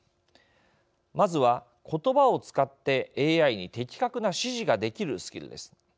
まずは言葉を使ってＡＩに的確な指示ができるスキルです。